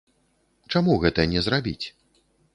Чаму гэта не зрабіць?